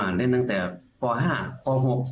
เล่นตั้งแต่ป๕ป๖